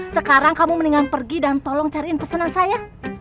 sekarang kamu mendingan pergi dan tolong cariin pesanan saya